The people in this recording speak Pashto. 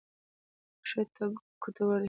کښت ته ګټور دی